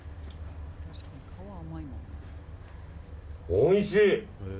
おいしい！